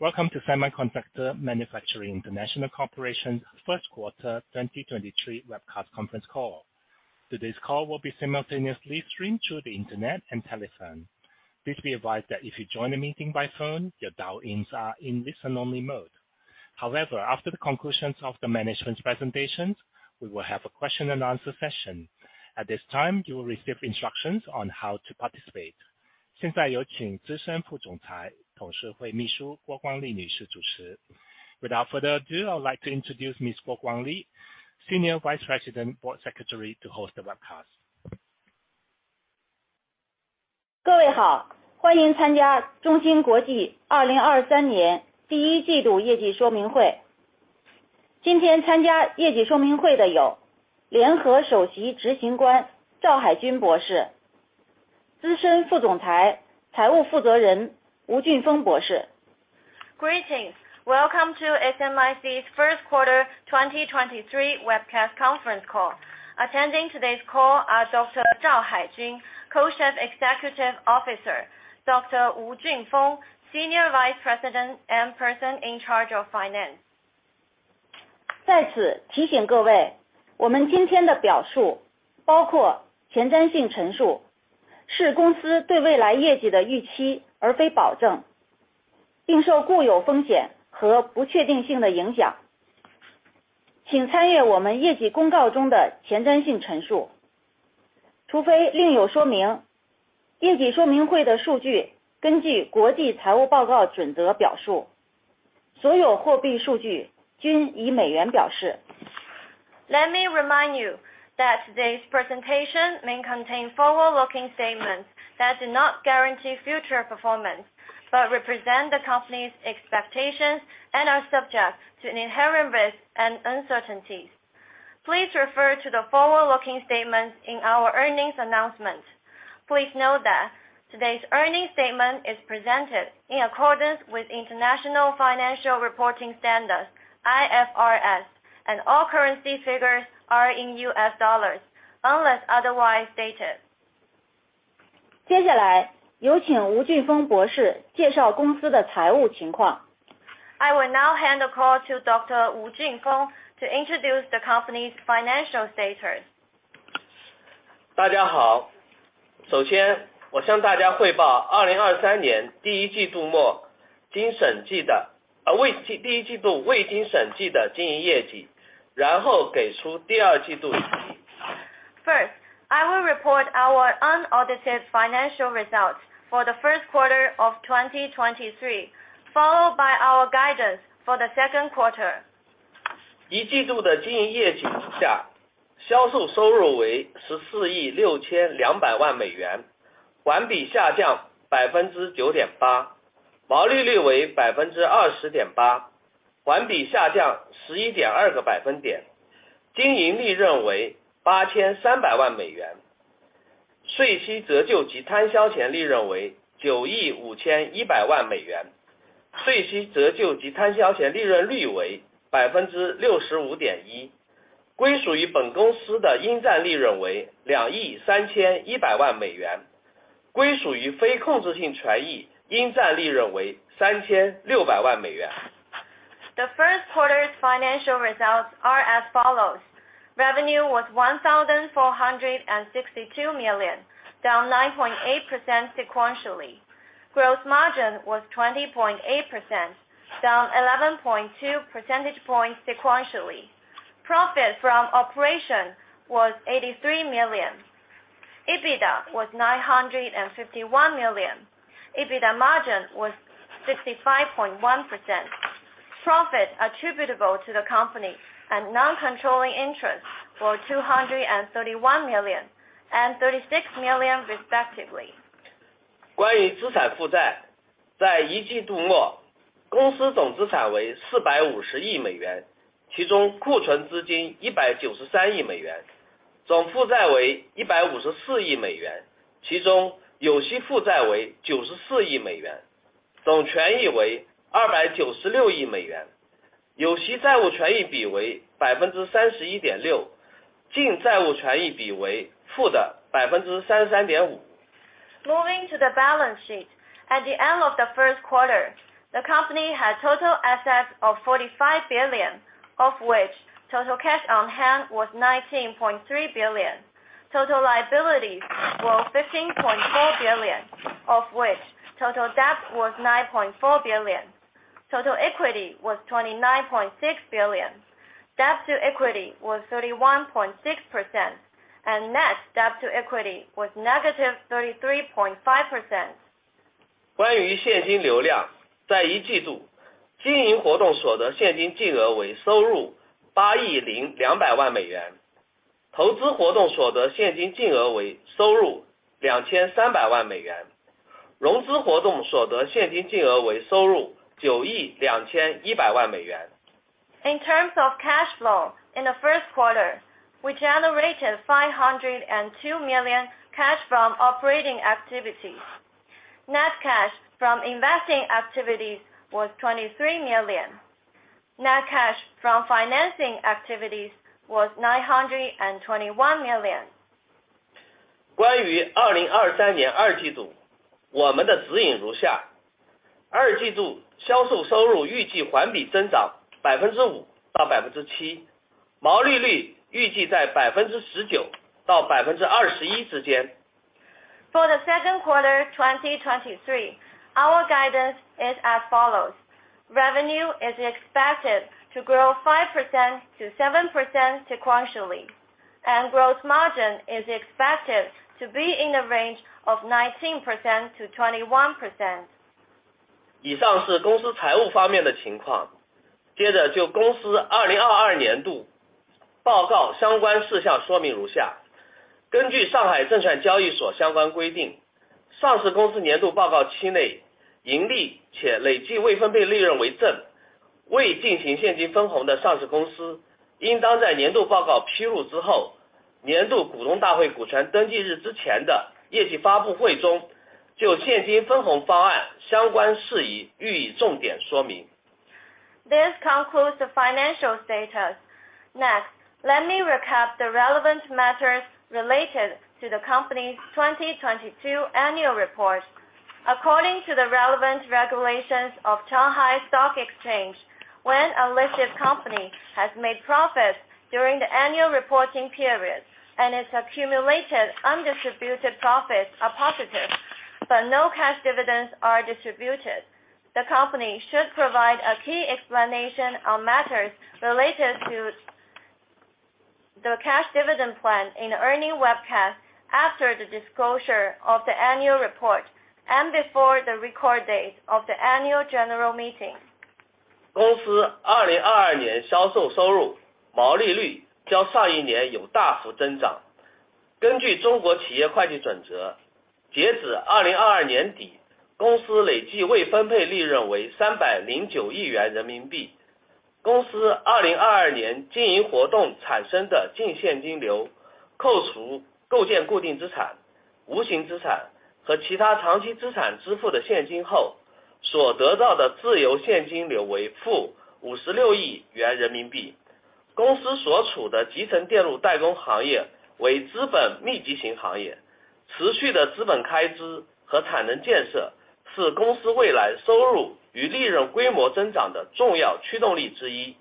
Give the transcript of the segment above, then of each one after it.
Welcome to Semiconductor Manufacturing International Corporation first quarter 2023 webcast Conference Call. Today's call will be simultaneously streamed through the internet and telephone. Please be advised that if you join the meeting by phone, your dial-ins are in listen-only mode. After the conclusions of the management presentations, we will have a question and answer session. At this time, you will receive instructions on how to participate. Without further ado, I would like to introduce Ms. Guo Guangli, Senior Vice President Board Secretary to host the webcast. Greetings. Welcome to SMIC's first quarter 2023 webcast conference call. Attending today's call are Dr. Zhao Haijun, Co-Chief Executive Officer, Dr. Wu Junfeng, Senior Vice President and Person In Charge of Finance. Let me remind you that today's presentation may contain forward-looking statements that do not guarantee future performance but represent the company's expectations and are subject to an inherent risk and uncertainties. Please refer to the forward-looking statements in our earnings announcement. Please note that today's earnings statement is presented in accordance with International Financial Reporting Standards, IFRS, and all currency figures are in U.S. dollars unless otherwise stated. I will now hand the call to Dr. Wu Junfeng to introduce the company's financial status. First, I will report our unaudited financial results for the first quarter of 2023, followed by our guidance for the second quarter. The first quarter's financial results are as follows. Revenue was $1,462 million, down 9.8% sequentially. Gross margin was 20.8%, down 11.2 percentage points sequentially. Profit from operation was $83 million. EBITDA was $951 million. EBITDA margin was 65.1%. Profit attributable to the company and non-controlling interest for $231 million and $36 million respectively. Moving to the balance sheet, at the end of the first quarter, the company had total assets of $45 billion, of which total cash on hand was $19.3 billion. Total liabilities were $15.4 billion, of which total debt was $9.4 billion. Total equity was $29.6 billion. Debt to equity was 31.6%, and net debt to equity was -33.5%. In terms of cash flow, in the first quarter, we generated $502 million cash from operating activities. Net cash from investing activities was $23 million. Net cash from financing activities was $921 million. 关于2023年二季度我们的指引如 下： 二季度销售收入预计环比增长百分之五到百分之 七， 毛利率预计在百分之十九到百分之二十一之间。For the second quarter 2023, our guidance is as follows: Revenue is expected to grow 5%-7% sequentially, and gross margin is expected to be in the range of 19%-21%. 以上是公司财务方面的情况。接着就公司2022年度报告相关事项说明如下。根据上海证券交易所相关规 定， 上市公司年度报告期内盈利且累计未分配利润为 正， 未进行现金分红的上市公司应当在年度报告披露之 后， 年度股东大会股权登记日之前的业绩发布会中就现金分红方案相关事宜予以重点说明。This concludes the financial status. Next, let me recap the relevant matters related to the company's 2022 annual report. According to the relevant regulations of Shanghai Stock Exchange, when a listed company has made profits during the annual reporting period and its accumulated undistributed profits are positive, but no cash dividends are distributed, the company should provide a key explanation on matters related to the cash dividend plan in earning webcast after the disclosure of the annual report and before the record date of the annual general meeting. 公司2022年销售收入、毛利率较上一年有大幅增长。根据中国企业会计准 则， 截止2022年 底， 公司累计未分配利润为三百零九亿元人民币。公司2022年经营活动产生的净现金 流， 扣除构建固定资产、无形资产和其他长期资产支付的现金后所得到的自由现金流为负五十六亿元人民币。公司所处的集成电路代工行业为资本密集型行业。持续的资本开支和产能建设是公司未来收入与利润规模增长的重要驱动力之一。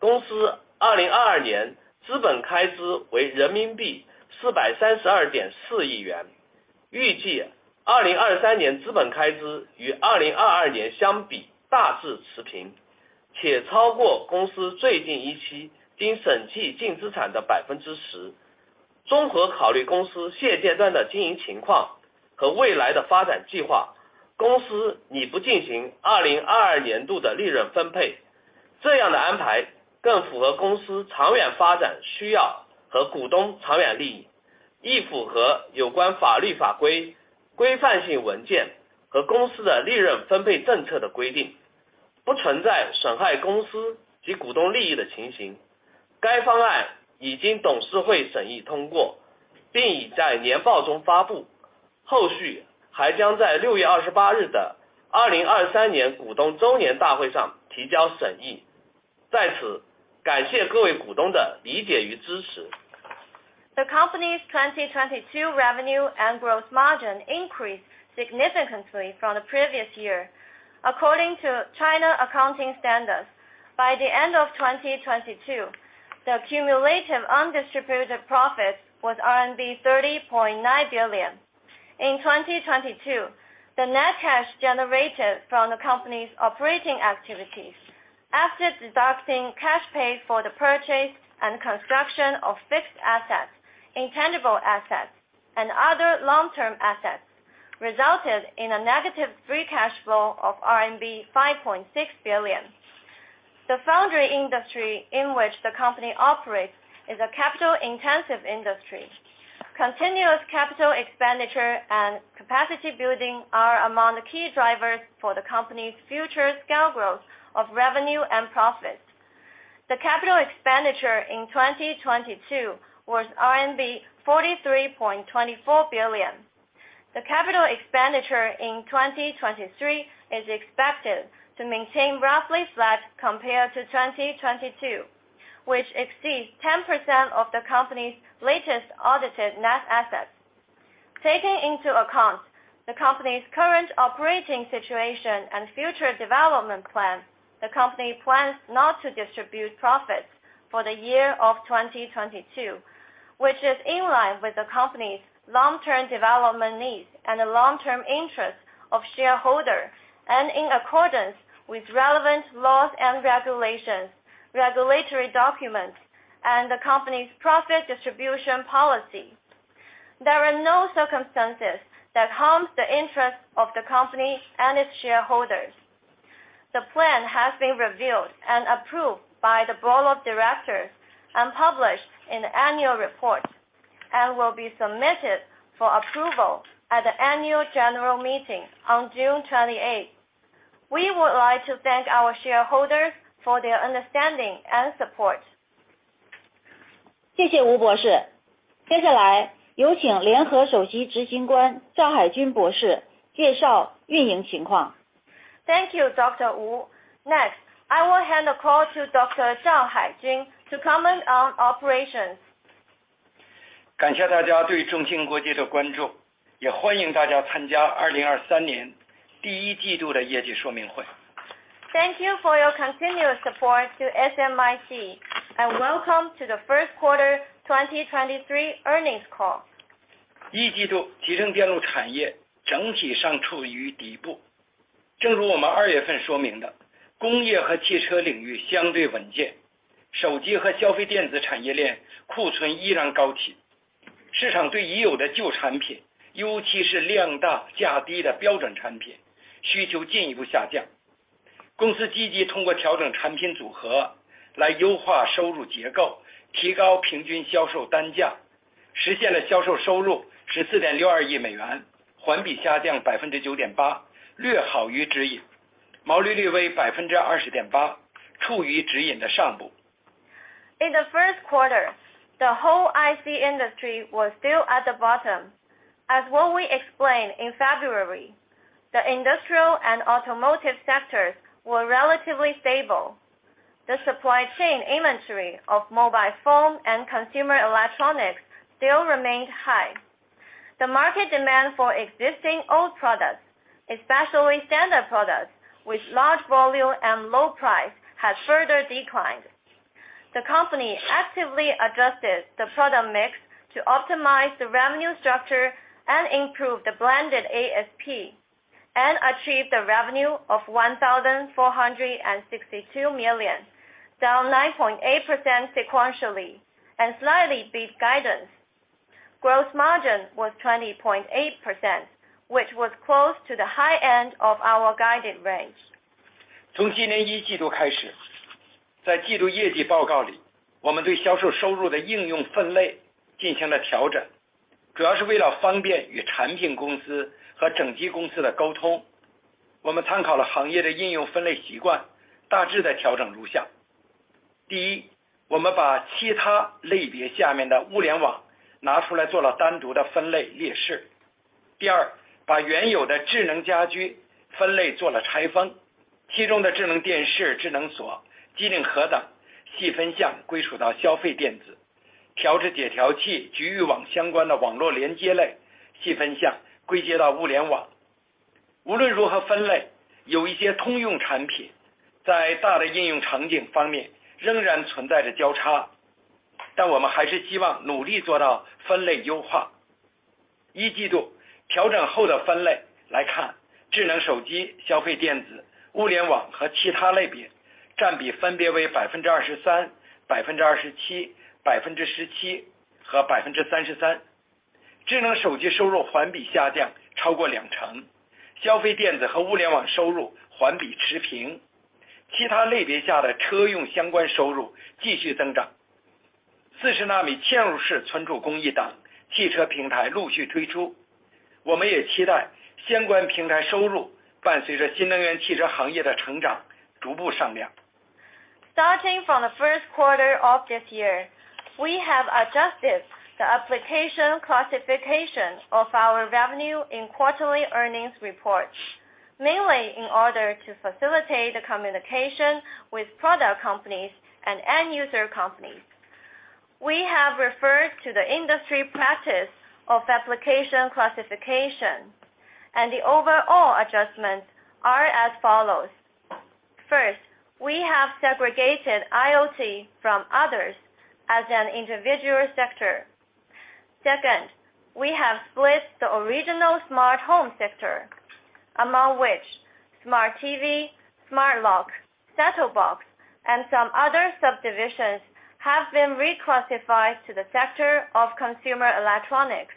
公司2022年资本开支为人民币四百三十二点四亿 元， 预计2023年资本开支与2022年相比大致持 平， 且超过公司最近一期经审计净资产的百分之十。综合考虑公司现阶段的经营情况和未来的发展计 划， 公司拟不进行2022年度的利润分配。这样的安排更符合公司长远发展需要和股东长远利 益， 亦符合有关法律、法规、规范性文件和公司的利润分配政策的规 定， 不存在损害公司及股东利益的情形。该方案已经董事会审议通 过， 并已在年报中发 布， 后续还将在6月28日的2023年股东周年大会上提交审议。在此感谢各位股东的理解与支持。The company's 2022 revenue and gross margin increased significantly from the previous year. According to China Accounting Standards, by the end of 2022, the cumulative undistributed profits was RMB 30.9 billion. In 2022, the net cash generated from the company's operating activities after deducting cash paid for the purchase and construction of fixed assets, intangible assets and other long-term assets, resulted in a negative free cash flow of RMB 5.6 billion. The foundry industry in which the company operates is a capital-intensive industry. Continuous capital expenditure and capacity building are among the key drivers for the company's future scale growth of revenue and profit. The capital expenditure in 2022 was RMB 43.24 billion. The capital expenditure in 2023 is expected to maintain roughly flat compared to 2022, which exceeds 10% of the company's latest audited net assets. Taking into account the company's current operating situation and future development plans, the company plans not to distribute profits for the year of 2022, which is in line with the company's long-term development needs and the long-term interests of shareholders, and in accordance with relevant laws and regulations, regulatory documents and the company's profit distribution policy. There are no circumstances that harms the interest of the company and its shareholders. The plan has been reviewed and approved by the Board of Directors and published in the annual report and will be submitted for approval at the annual general meeting on June 28th. We would like to thank our shareholders for their understanding and support. 谢谢吴博 士. 接下来有请联合首席执行官赵海军博士介绍运营情 况. Thank you, Dr. Wu. Next, I will hand the call to Dr. Zhang Haijin to comment on operations. 感谢大家对中芯国际的关 注， 也欢迎大家参加2023年第一季度的业绩说明会。Thank you for your continuous support to SMIC and welcome to the first quarter 2023 earnings call. 一季 度， 集成电路产业整体上处于底部。正如我们二月份说明 的， 工业和汽车领域相对稳 健， 手机和消费电子产业链库存依然高 企， 市场对已有的旧产 品. 尤其是量大价低的标准产品需求进一步下降。公司积极通过调整产品组合来优化收入结 构， 提高平均销售单 价， 实现了销售收入十四点六二亿美 元， 环比下降百分之九点 八， 略好于指 引， 毛利率为百分之二十点 八， 处于指引的上部。In the first quarter, the whole IC industry was still at the bottom, as what we explained in February. The industrial and automotive sectors were relatively stable. The supply chain inventory of mobile phone and consumer electronics still remained high. The market demand for existing old products, especially standard products with large volume and low price, had further declined. The company actively adjusted the product mix to optimize the revenue structure and improve the blended ASP and achieve the revenue of $1,462 million, down 9.8% sequentially and slightly beat guidance. Gross margin was 20.8%, which was close to the high end of our guided range. 从今年一季度开 始， 在季度业绩报告 里， 我们对销售收入的应用分类进行了调 整， 主要是为了方便与产品公司和整机公司的沟通。我们参考了行业的应用分类习 惯， 大致的调整如下。第 一， 我们把其他类别下面的物联网拿出来做了单独的分类列示。第 二， 把原有的智能家居分类做了拆 分， 其中的智能电视、智能锁、机顶盒等细分项归属到消费电子。调制解调器、局域网相关的网络连接类细分项归结到物联网。无论如何分 类， 有一些通用产品在大的应用场景方面仍然存在着交 叉， 但我们还是希望努力做到分类优化。一季度调整后的分类来 看， 智能手机、消费电子、物联网和其他类别占比分别为百分之二十三、百分之二十七、百分之十七和百分之三十三。智能手机收入环比下降超过两 成， 消费电子和物联网收入环比持 平， 其他类别下的车用相关收入继续增 长， 四十纳米嵌入式存储工艺等汽车平台陆续推 出， 我们也期待相关平台收入伴随着新能源汽车行业的成长逐步上量。Starting from the first quarter of this year, we have adjusted the application classification of our revenue in quarterly earnings reports, mainly in order to facilitate the communication with product companies and end user companies. We have referred to the industry practice of application classification and the overall adjustments are as follows. First, we have segregated IoT from others as an individual sector. Second, we have split the original smart home sector, among which smart TV, smart lock, set-top box, and some other subdivisions have been reclassified to the sector of consumer electronics.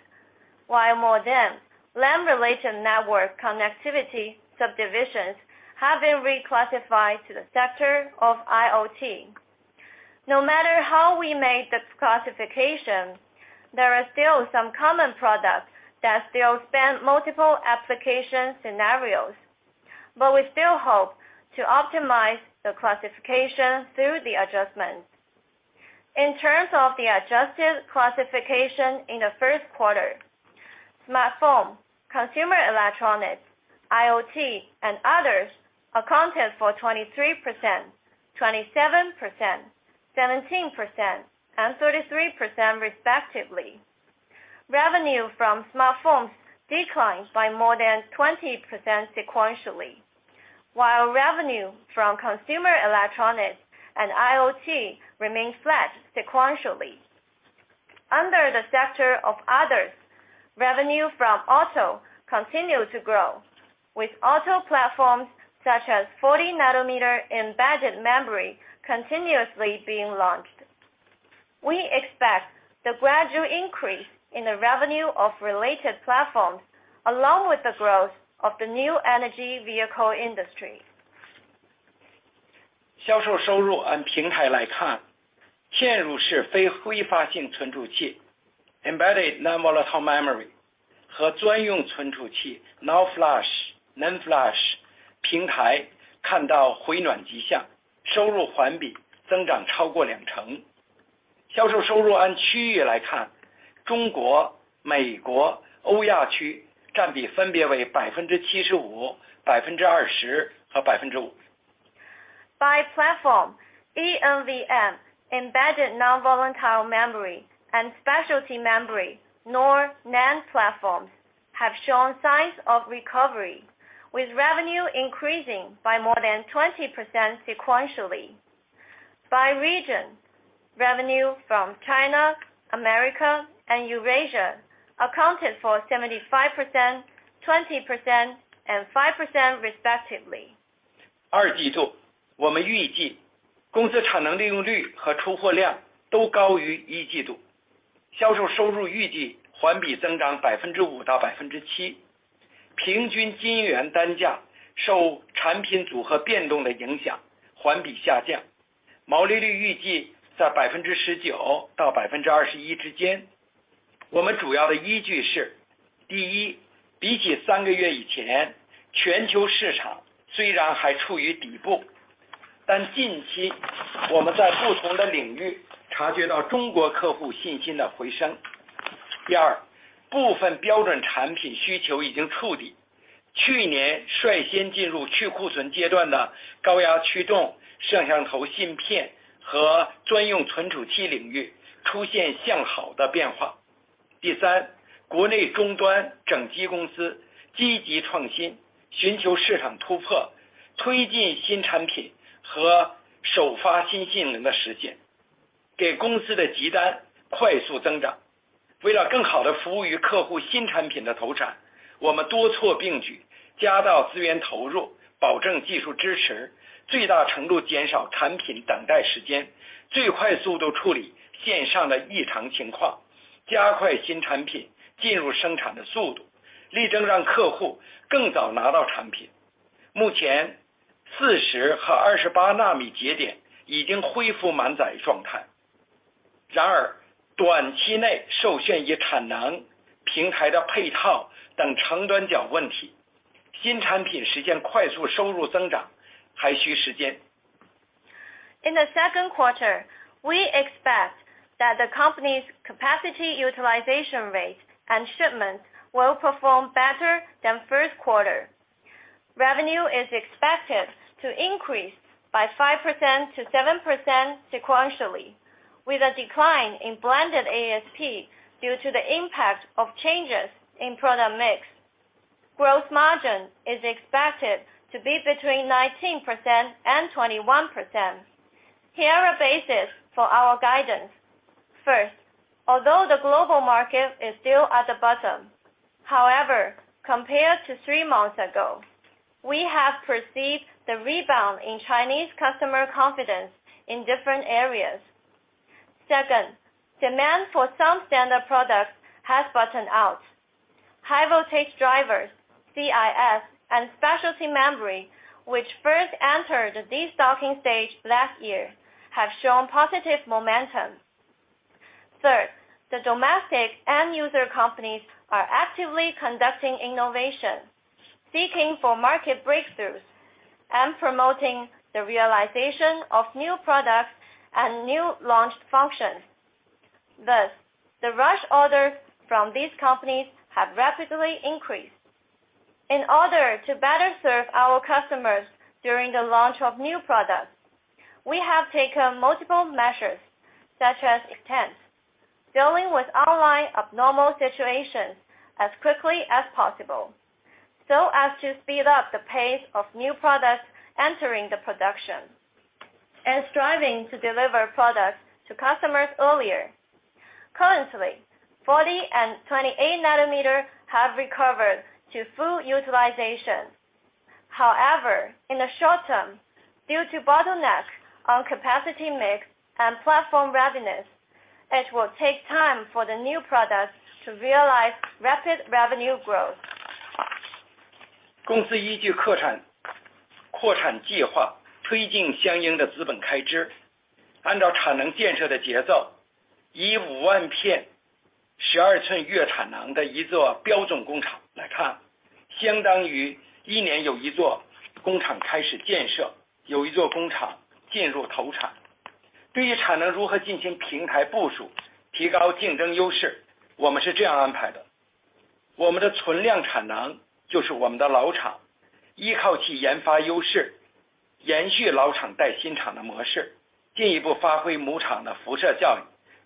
While modem, LAN related network connectivity subdivisions have been reclassified to the sector of IoT. No matter how we made this classification, there are still some common products that still span multiple application scenarios, but we still hope to optimize the classification through the adjustments. In terms of the adjusted classification, in the first quarter, smartphone, consumer electronics, IoT and others accounted for 23%, 27%, 17%, and 33% respectively. Revenue from smartphones declined by more than 20% sequentially, while revenue from consumer electronics and IoT remained flat sequentially. Under the sector of others, revenue from auto continued to grow, with auto platforms such as 40 nanometer embedded memory continuously being launched. We expect the gradual increase in the revenue of related platforms along with the growth of the new energy vehicle industry. 销售收入按平台来 看， 嵌入式非挥发性存储器 ，embedded non-volatile memory 和专用存储器 ，nor flash, nand flash 平台看到回暖迹 象， 收入环比增长超过两成。销售收入按区域来 看， 中国、美国、欧亚区占比分别为百分之七十五、百分之二十和百分之五。By platform, eNVM, embedded non-volatile memory and specialty memory, NOR, NAND platforms have shown signs of recovery, with revenue increasing by more than 20% sequentially. By region, revenue from China, America, and Eurasia accounted for 75%, 20%, and 5% respectively. 二季度我们预计公司产能利用率和出货量都高于一季 度， 销售收入预计环比增长百分之五到百分之七。平均晶圆单价受产品组合变动的影 响， 环比下 降， 毛利率预计在百分之十九到百分之二十一之间。我们主要的依据 是， 第 一， 比起三个月以 前， 全球市场虽然还处于底 部， 但近期我们在不同的领域察觉到中国客户信心的回升。第 二， 部分标准产品需求已经触 底， 去年率先进入去库存阶段的高压驱动、摄像头芯片和专用存储器领域出现向好的变化。第 三， 国内终端整机公司积极创 新， 寻求市场突 破， 推进新产品和首发新性能的实 现， 给公司的急单快速增长。为了更好地服务于客户新产品的投 产， 我们多措并 举， 加道资源投 入， 保证技术支 持， 最大程度减少产品等待时 间， 最快速度处理线上的异常情 况， 加快新产品进入生产的速 度， 力争让客户更早拿到产品。目前四十和二十八纳米节点已经恢复满载状态。然而短期内受限于产能、平台的配套等长短角问 题， 新产品实现快速收入增长还需时间。In the second quarter, we expect that the company's capacity utilization rate and shipments will perform better than first quarter. Revenue is expected to increase by 5%- 7% sequentially, with a decline in blended ASP due to the impact of changes in product mix. Gross margin is expected to be between 19% and 21%. Here are basis for our guidance. First, although the global market is still at the bottom, however, compared to three months ago, we have perceived the rebound in Chinese customer confidence in different areas. Second, demand for some standard products has bottomed out. High voltage drivers, CIS, and specialty memory, which first entered the destocking stage last year, have shown positive momentum. Third, the domestic end user companies are actively conducting innovation, seeking for market breakthroughs, and promoting the realization of new products and new launched functions. The rush orders from these companies have rapidly increased. In order to better serve our customers during the launch of new products, we have taken multiple measures, such as dealing with online abnormal situations as quickly as possible so as to speed up the pace of new products entering the production and striving to deliver products to customers earlier. Currently, 40 and 28 nanometer have recovered to full utilization. In the short term, due to bottleneck on capacity mix and platform readiness, it will take time for the new products to realize rapid revenue growth. 公司依据扩 产， 扩产计 划， 推进相应的资本开支。按照产能建设的节 奏， 以五万片十二寸月产能的一座标准工厂来 看， 相当于一年有一座工厂开始建 设， 有一座工厂进入投产。对于产能如何进行平台部 署， 提高竞争优 势， 我们是这样安排的。我们的存量产 能， 就是我们的老 厂， 依靠其研发优 势， 延续老厂带新厂的模 式， 进一步发挥母厂的辐射效 应，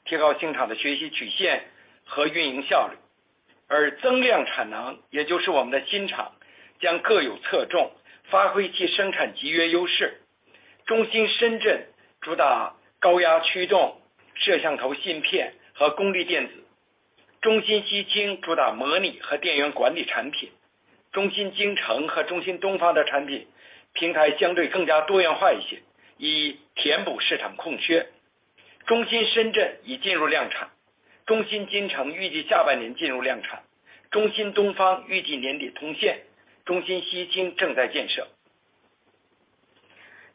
提高新厂的学习曲线和运营效率。而增量产 能， 也就是我们的新 厂， 将各有侧 重， 发挥其生产集约优势。中芯深圳主打高压驱动、摄像头芯片和功率电 子， 中芯西京主打模拟和电源管理产品。中芯京城和中芯东方的产品平台相对更加多元化一 些， 以填补市场空缺。中芯深圳已进入量产，中芯京城预计下半年进入量 产， 中芯东方预计年底通 线， 中芯西京正在建设。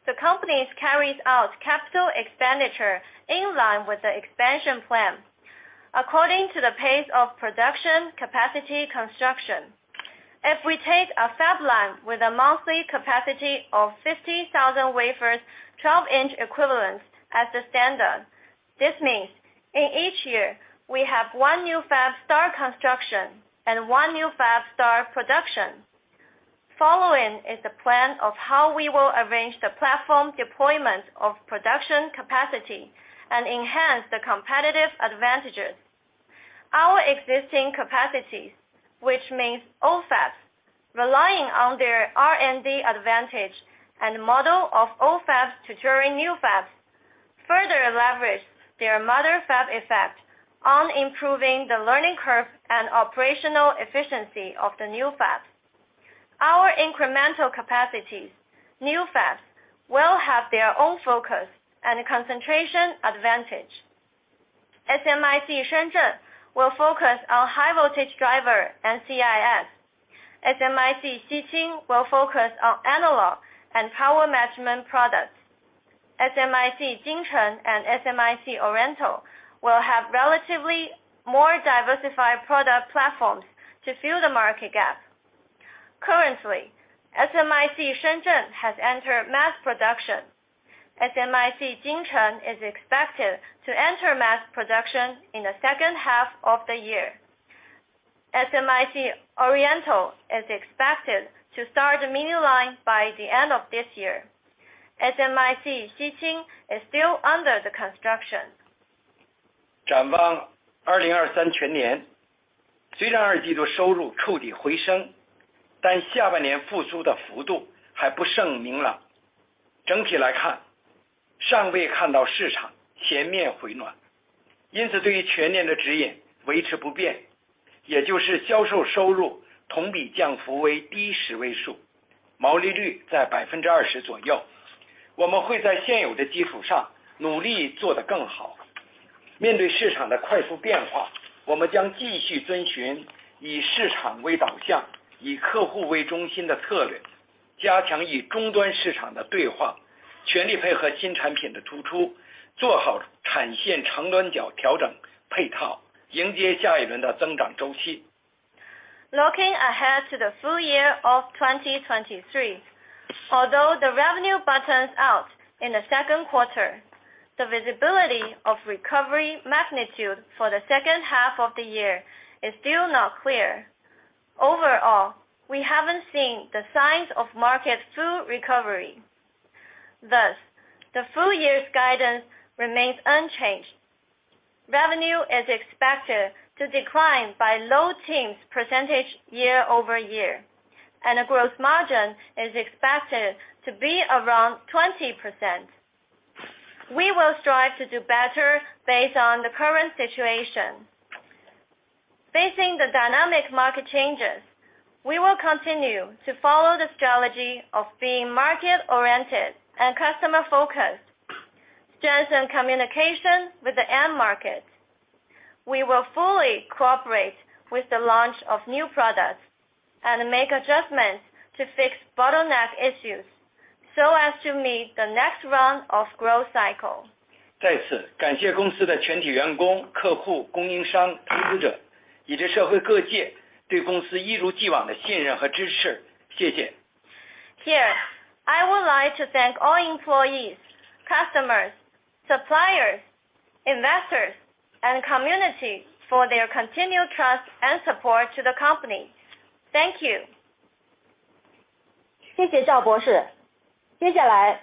The company carries out capital expenditure in line with the expansion plan according to the pace of production capacity construction. If we take a fab line with a monthly capacity of 50,000 wafers, 12-inch equivalents as the standard. This means in each year, we have one new fab start construction and one new fab start production. Following is the plan of how we will arrange the platform deployment of production capacity and enhance the competitive advantages. Our existing capacities, which means old fabs, relying on their R&D advantage and model of old fabs to train new fabs, further leverage their mother fab effect on improving the learning curve and operational efficiency of the new fabs. Our incremental capacities, new fabs, will have their own focus and concentration advantage. SMIC Shenzhen will focus on high voltage driver and CIS. SMIC Xiqing will focus on analog and power management products. SMIC Jingcheng and SMIC Oriental will have relatively more diversified product platforms to fill the market gap. Currently, SMIC Shenzhen has entered mass production. SMIC Jingcheng is expected to enter mass production in the second half of the year. SMIC Oriental is expected to start mini-line by the end of this year. SMIC Xiqing is still under the construction. Looking ahead to the full year of 2023, although the revenue bottoms out in the second quarter, the visibility of recovery magnitude for the second half of the year is still not clear. Overall, we haven't seen the signs of market full recovery. Thus, the full year's guidance remains unchanged. Revenue is expected to decline by low teens % year-over-year, and a gross margin is expected to be around 20%. We will strive to do better based on the current situation. Facing the dynamic market changes, we will continue to follow the strategy of being market-oriented and customer-focused, strengthen communication with the end market. We will fully cooperate with the launch of new products and make adjustments to fix bottleneck issues so as to meet the next round of growth cycle. Here, I would like to thank all employees, customers, suppliers, investors, and community for their continued trust and support to the company. Thank you. Thank you, Dr. Zhao.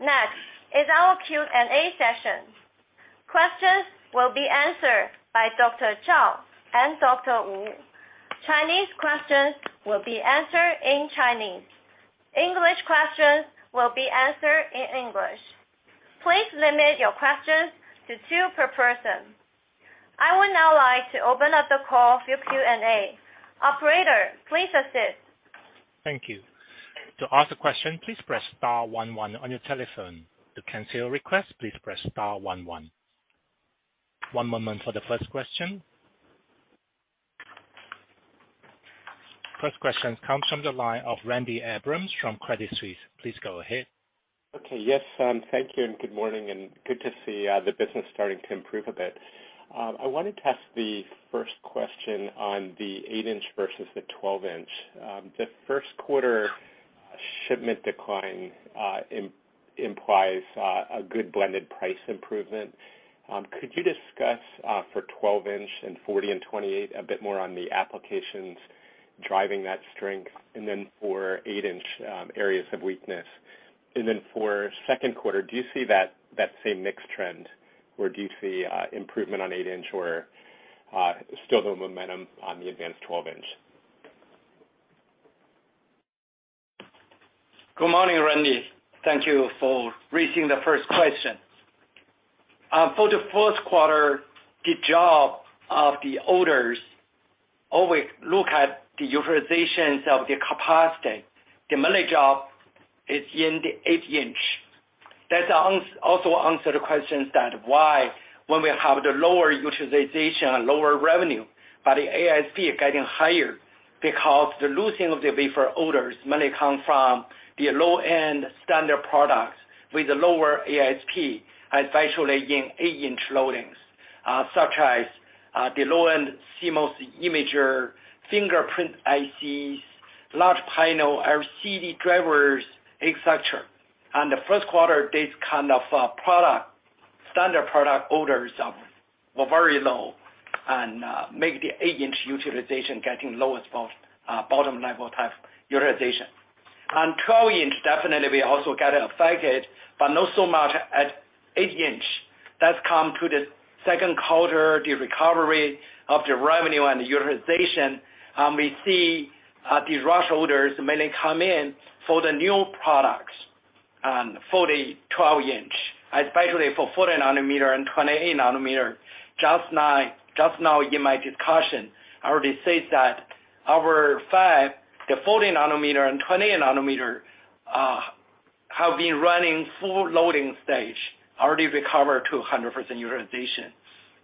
Next is our Q&A session. Questions will be answered by Dr. Zhao and Dr. Wu. Chinese questions will be answered in Chinese. English questions will be answered in English. Please limit your questions to two per person. I would now like to open up the call for Q&A. Operator, please assist. Thank you. To ask a question, please press star one one on your telephone. To cancel your request, please press star one one. One moment for the first question. First question comes from the line of Randy Abrams from Credit Suisse. Please go ahead. Okay. Yes, thank you, good morning, and good to see the business starting to improve a bit. I wanted to ask the first question on the 8-inch versus the 12-inch. The first quarter shipment decline implies a good blended price improvement. Could you discuss for 12-inch and 40 and 28 a bit more on the applications driving that strength? Then for 8-inch, areas of weakness. Then for second quarter, do you see that same mixed trend or do you see improvement on 8-inch or still the momentum on the advanced 12-inch? Good morning, Randy. Thank you for raising the first question. For the first quarter, the job of the orders. Always look at the utilizations of the capacity. The majority of is in the 8-inch. That's also answer the questions that why when we have the lower utilization and lower revenue, but the ASP is getting higher because the losing of the wafer orders mainly come from the low-end standard products with a lower ASP, especially in 8-inch loadings, such as the low-end CMOS imager, fingerprint ICs, large panel RCD drivers, et cetera. The first quarter, this kind of product, standard product orders, were very low and make the 8-inch utilization getting lowest bottom level type utilization. 12-inch definitely we also get affected, but not so much as 8-inch. That's come to the second quarter, the recovery of the revenue and the utilization. We see these rush orders mainly come in for the new products for the 12 inch, especially for 40 nanometer and 28 nanometer. Just now in my discussion, I already said that our fab, the 40 nanometer and 28 nanometer, have been running full loading stage, already recovered to 100% utilization.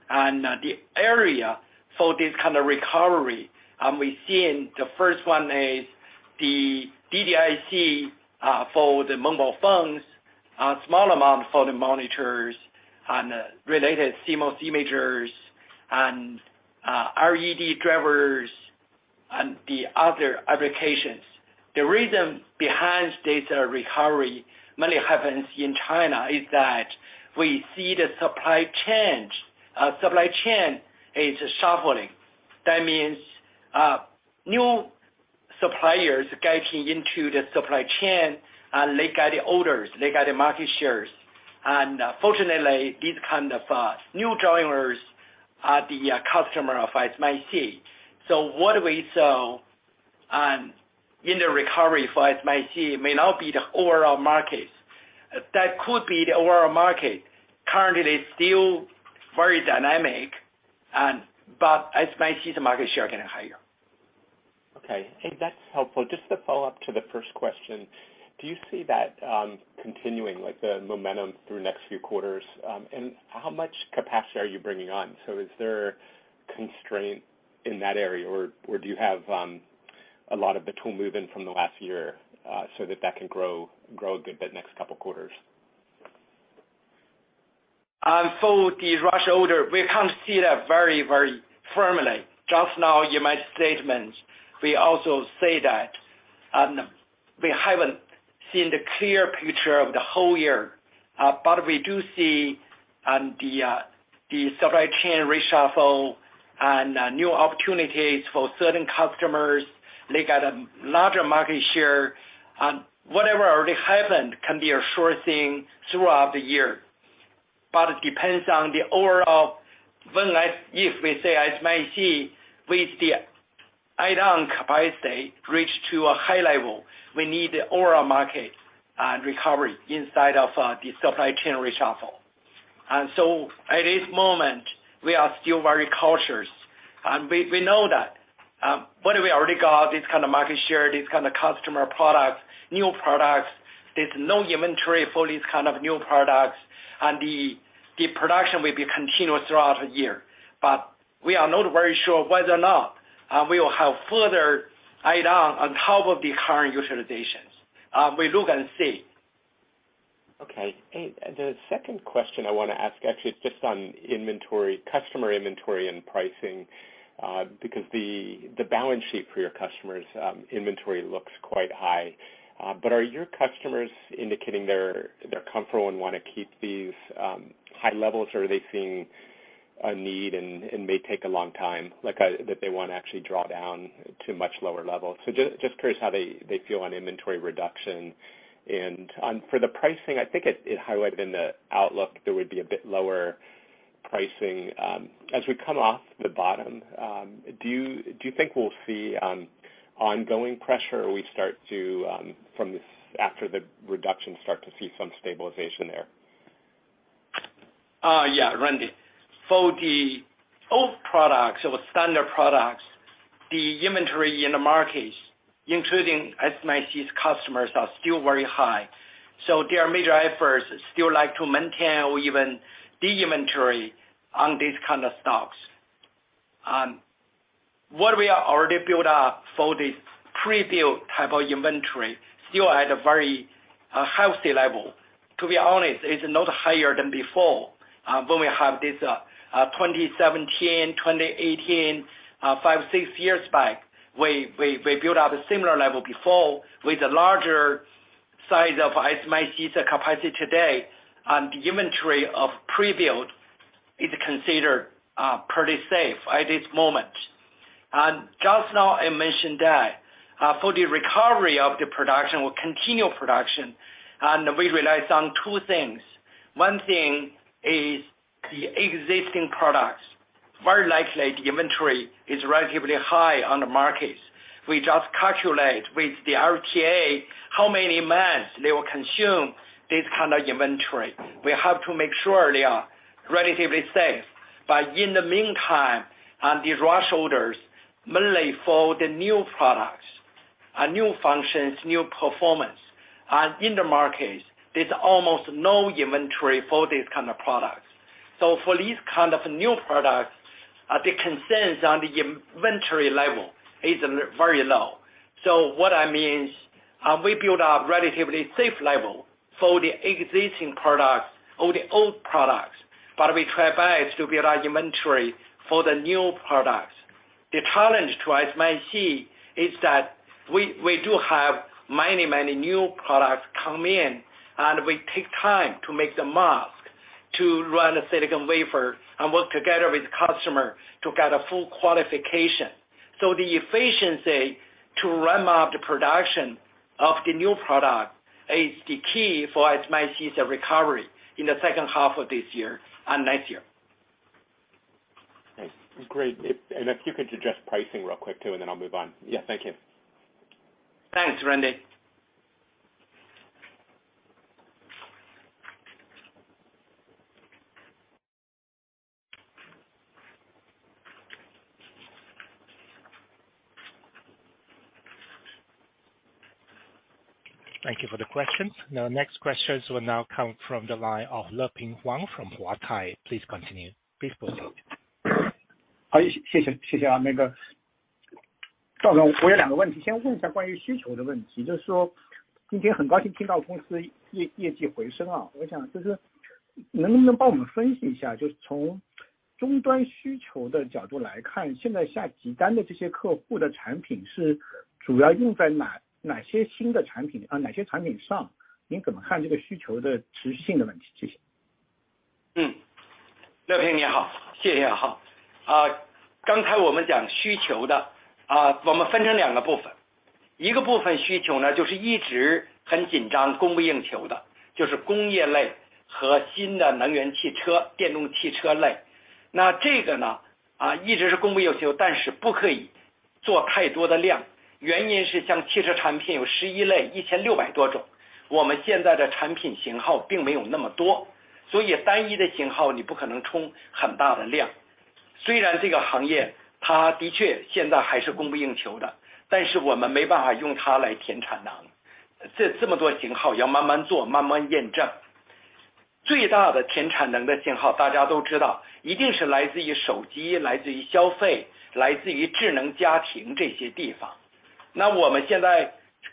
The area for this kind of recovery, we see in the first one is the DDIC for the mobile phones, a small amount for the monitors and related CMOS imagers and LED drivers and the other applications. The reason behind this recovery mainly happens in China, is that we see the supply chains, supply chain is shuffling. That means new suppliers getting into the supply chain and they get the orders, they get the market shares. Fortunately, these kind of new joiners are the customer of SMIC. What we saw in the recovery for SMIC may not be the overall markets. That could be the overall market. Currently, it's still very dynamic and but SMIC's market share getting higher. Okay. That's helpful. Just to follow up to the first question, do you see that continuing, like the momentum through next few quarters? How much capacity are you bringing on? Is there constraint in that area or do you have a lot of the tool move in from the last year so that that can grow a good bit next couple quarters? The rush order, we can't see that very firmly. Just now in my statements, we also say that, and we haven't seen the clear picture of the whole year. We do see the supply chain reshuffle and new opportunities for certain customers. They get a larger market share and whatever already happened can be a sure thing throughout the year. It depends on the order of when like, if we say SMIC with the add-on capacity reach to a high level, we need the overall market recovery inside of the supply chain reshuffle. At this moment, we are still very cautious. We know that, what we already got this kind of market share, this kind of customer products, new products, there's no inventory for these kind of new products, and the production will be continuous throughout the year. We are not very sure whether or not we will have further add-on on top of the current utilizations. We look and see. Okay. The second question I wanna ask actually is just on inventory, customer inventory and pricing, because the balance sheet for your customers, inventory looks quite high. Are your customers indicating they're comfortable and wanna keep these high levels? Or are they seeing a need and may take a long time, like, that they wanna actually draw down to much lower levels? Just curious how they feel on inventory reduction. For the pricing, I think it highlighted in the outlook there would be a bit lower pricing, as we come off the bottom, do you think we'll see ongoing pressure or we start to, from this, after the reduction, start to see some stabilization there? Yeah, Randy. For the old products or standard products, the inventory in the markets, including SMIC's customers, are still very high. Their major efforts still like to maintain or even the inventory on these kind of stocks. What we are already built up for this pre-built type of inventory, still at a very healthy level. To be honest, it's not higher than before, when we have this 2017, 2018, 5, 6 years back. We built up a similar level before with a larger size of SMIC's capacity today, the inventory of pre-built is considered pretty safe at this moment. Just now, I mentioned that for the recovery of the production or continued production, we realized on 2 things. One thing is the existing products. Very likely the inventory is relatively high on the markets. We just calculate with the RTA how many months they will consume this kind of inventory. We have to make sure they are relatively safe. In the meantime, these rush orders mainly for the new products, new functions, new performance. In the market, there's almost no inventory for this kind of products. For these kind of new products, the concerns on the inventory level is very low. What I mean is, we build a relatively safe level for the existing products or the old products, but we try best to build inventory for the new products. The challenge to SMIC is that we do have many, many new products come in, and we take time to make the mask to run a silicon wafer and work together with customer to get a full qualification. The efficiency to ramp up the production of the new product is the key for SMIC's recovery in the second half of this year and next year. Great. If you could address pricing real quick too and then I'll move on. Yeah, thank you. Thanks，Randy。Thank you for the question. Now next questions will now come from the line of 勒平黄 from 华泰. Please continue. Please proceed. 谢 谢， 谢谢 啊， 那个。赵 总， 我有两个问 题， 先问一下关于需求的问 题， 就是说今天很高兴听到公司 业， 业绩回升 啊， 我想就是能不能帮我们分析一 下， 就是从终端需求的角度来 看， 现在下急单的这些客户的产品是主要用在 哪， 哪些新的产 品， 啊哪些产品 上？ 您怎么看这个需求的持续性的问 题？ 谢谢。嗯， 勒平你 好， 谢谢啊。好。啊， 刚才我们讲需求 的， 啊我们分成两个部 分， 一个部分需求 呢， 就是一直很紧 张， 供不应求 的， 就是工业类和新的能源汽车、电动汽车类。那这个 呢， 啊， 一直是供不应 求， 但是不可以做太多的量，原因是像汽车产品有十一 类， 一千六百多 种， 我们现在的产品型号并没有那么 多， 所以单一的型号你不可能冲很大的量。虽然这个行业它的确现在还是供不应求 的， 但是我们没办法用它来填产能。这这么多型号要慢慢 做， 慢慢验证。最大的填产能的型 号， 大家都知 道， 一定是来自于手 机， 来自于消 费， 来自于智能家庭这些地方。那我们现在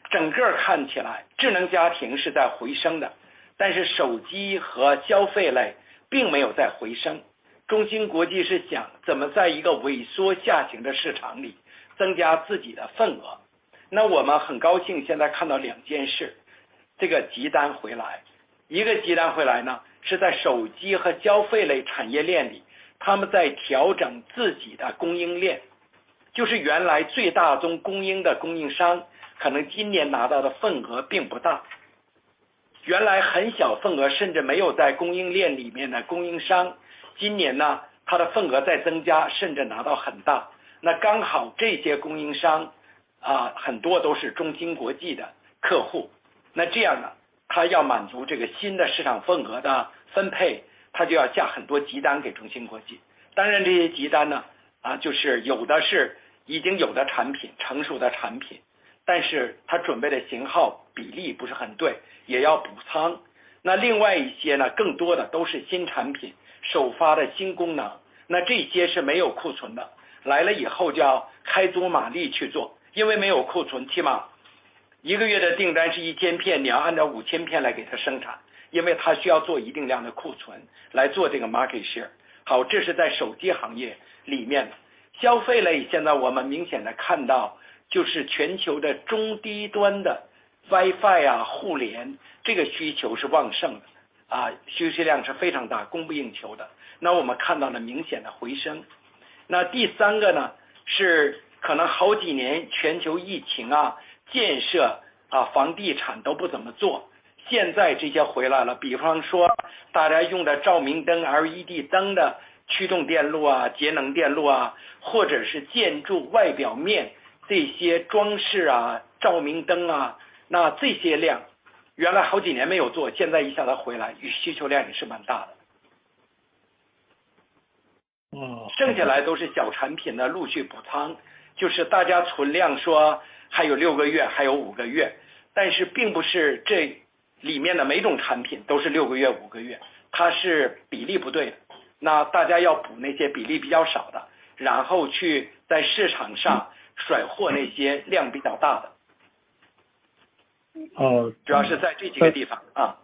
整个看起来智能家庭是在回升 的， 但是手机和消费类并没有在回升。中芯国际是想怎么在一个萎缩下行的市场里增加自己的份额。那我们很高兴现在看到两件 事， 这个急单回来。一个急单回来 呢， 是在手机和消费类产业链 里， 他们在调整自己的供应链，就是原来最大宗供应的供应 商， 可能今年拿到的份额并不 大， 原来很小份额甚至没有在供应链里面的供应 商， 今年 呢， 他的份额在增 加， 甚至拿到很大。那刚好这些供应商 啊， 很多都是中芯国际的客 户， 那这样 呢， 他要满足这个新的市场份额的分 配， 他就要下很多急单给中芯国际。当然这些急单 呢， 啊， 就是有的是已经有的产 品， 成熟的产 品， 但是他准备的型号比例不是很 对， 也要补仓。那另外一些 呢， 更多的都是新产 品， 首发的新功 能， 那这些是没有库存 的， 来了以后就要开足马力去 做， 因为没有库 存， 起码一个月的订单是一千 片， 你要按照五千片来给它生 产， 因为他需要做一定量的库存来做这个 market share。好， 这是在手机行业里面的。消费 类， 现在我们明显地看 到， 就是全球的中低端的 Wi-Fi 啊， 互联这个需求是旺盛 的， 啊， 需求量是非常 大， 供不应求的。那我们看到了明显的回升。那第三个 呢， 是可能好几年全球疫情 啊， 建设 啊， 房地产都不怎么 做， 现在这些回来 了， 比方说大家用的照明灯 ，LED 灯的驱动电路 啊， 节能电路 啊， 或者是建筑外表面这些装饰 啊， 照明灯 啊， 那这些量原来好几年没有 做， 现在一下子回 来， 需求量也是蛮大的。嗯。剩下来都是小产品的陆续补 仓, 就是大家存量说还有六个 月, 还有五个 月, 但是并不是这里面的每一种产品都是六个 月, 五个 月, 它是比例不 对, 那大家要补那些比例比较少 的, 然后去在市场上甩货那些量比较大 的. 哦. 主要是在这几个地方啊。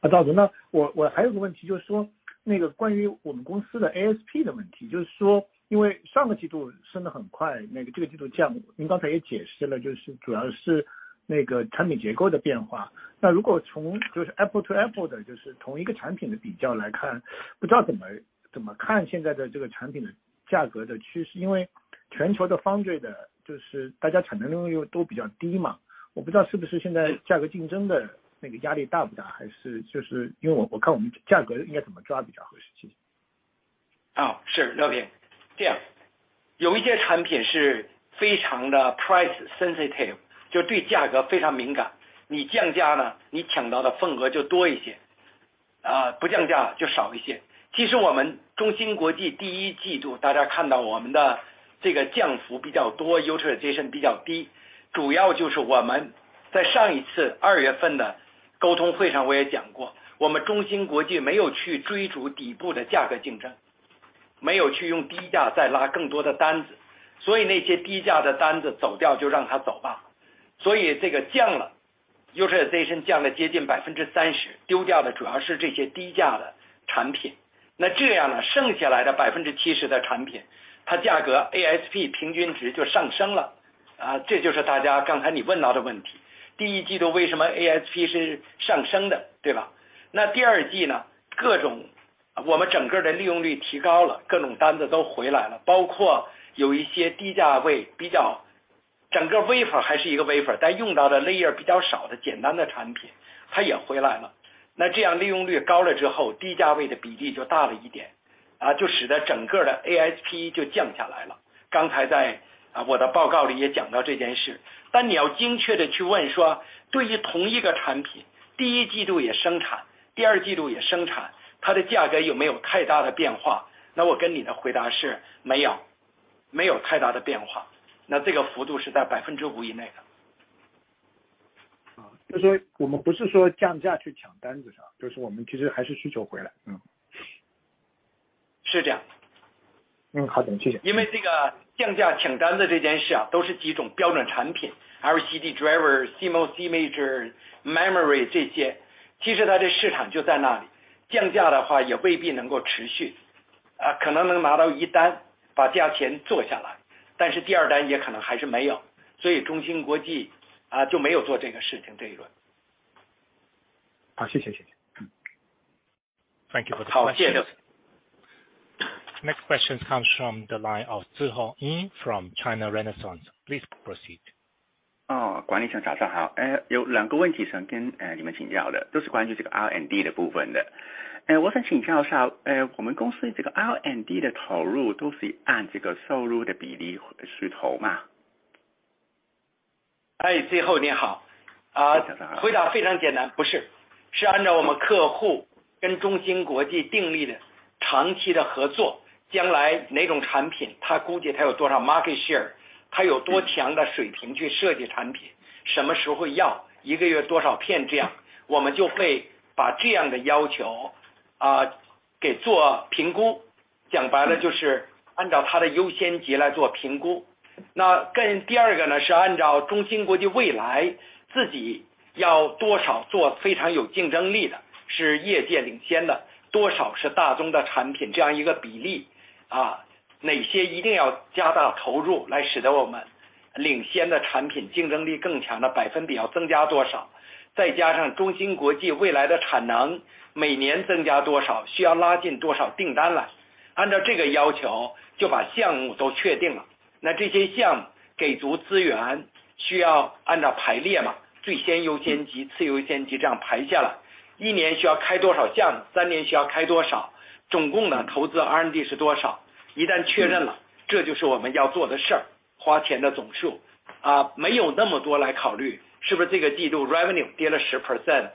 啊， 赵 总， 那 我， 我还有个问 题， 就是说那个关于我们公司的 ASP 的问 题， 就是说因为上个季度升得很 快， 那个这个季度 降， 您刚才也解释 了， 就是主要是那个产品结构的变 化， 那如果从就是 apple to apple 的， 就是同一个产品的比较来 看， 不知道怎 么， 怎么看现在的这个产品的价格的趋 势. 因为全球的 founder 的， 就是大家产能利用都比较低 嘛， 我不知道是不是现在价格竞争的那个压力大不 大， 还是就是因为 我， 我看我们价格应该怎么抓比较合适。谢谢。是， 刘平。有一些产品是非常的 price sensitive， 就对价格非常敏 感， 你降价 了， 你抢到的份额就多一 些， 不降价就少一些。我们中芯国际 1st quarter， 大家看到我们的这个降幅比较 多， utilization 比较 低， 主要就是我们在上一次 February 的沟通会 上， 我也讲 过， 我们中芯国际没有去追逐底部的价格竞 争， 没有去用低价再拉更多的单 子， 那些低价的单子走掉就让它走吧。这个降 了， utilization 降了接近 30%， 丢掉的主要是这些低价的产品。剩下来的 70% 的产 品， 它价格 ASP 平均值就上升了。这就是大家刚才你问到的问题。1st quarter 为什么 ASP 是上升 的， 对 吧？ 2nd quarter， 各种我们整个的利用率提高 了， 各种单子都回来 了， 包括有一些低价位比较整个 wafer 还是一个 wafer， 但用到的 layer 比较少的简单的产 品， 它也回来了。利用率高了之 后， 低价位的比例就大了一 点， 就使得整个的 ASP 就降下来了。刚才在我的报告里也讲到这件 事， 你要精确地去问说对于同一个产 品， 1st quarter 也生 产， 2nd quarter 也生 产， 它的价格有没有太大的变化。我跟你的回答是没 有， 没有太大的变 化， 这个幅度是在 5% 以内的。就是说我们不是说降价去抢单子是 吧， 就是我们其实还是需求回来。是这样。好 的， 谢谢。这个降价抢单的这件 事， 都是几种标准产品 ，RCD driver、CMOS imager、memory 这 些， 其实它的市场就在那 里， 降价的话也未必能够持 续， 可能能拿到一单把价钱做下来，但是第二单也可能还是没有。Semiconductor Manufacturing International Corporation 就没有做这个事情这一轮。好， 谢谢谢谢。Thank you for- 好， 谢谢。Next question comes from the line of Ziho Yin from China Renaissance. Please proceed. 哦， 管理层早上好。有两个问题想跟你们请教 的， 都是关于这个 R&D 的部分的。我想请教一 下， 我们公司这个 R&D 的投入都是按这个收入的比例去投 吗？ Ziho, 你好. 回答非常 简单, 不是. 是按照我们客户跟中芯国际订立的长期的 合作, 将来哪种 产品, 他估计他有多少 market share, 他有多强的水平去设计 产品, 什么时候 要, 一个月多少片 这样, 我们就会把这样的要求给做 评估. 讲白了就是按照他的优先级来做 评估. 跟第二个 呢, 是按照中芯国际未来自己要多少做非常有竞争力 的, 是业界领先 的, 多少是大宗的 产品, 这样一个 比例, 哪些一定要加大投入来使得我们领先的产品竞争力更强的百分比要增加 多少. 再加上中芯国际未来的产能每年增加 多少, 需要拉近多少订单 来. 按照这个 要求, 就把项目都确定 了, 这些项目给足 资源, 需要按照排列 嘛, 最先 优先级, 次优先级这样排 下来, 一年需要开多少 项目, 三年需要开 多少, 总共呢投资 R&D 是 多少. 一旦确认 了, 这就是我们要做的 事, 花钱的 总数. 没有那么多来 考虑, 是不是这个季度 revenue 跌了 10%,